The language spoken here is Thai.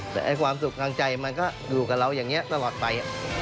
แต่ความสุขทางใจมันก็อยู่กับเราอย่างนี้ตลอดไป